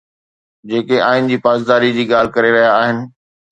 جيڪي آئين جي پاسداري جي ڳالهه ڪري رهيا آهن